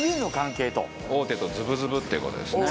大手とズブズブって事ですね。